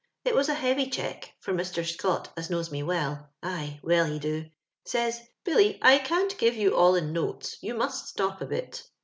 It was a heavy cheque, for Mr. Scott, as knows me well — aye, well, ho do — says * Billy, I can't give you all in notes, you must stop a bit.'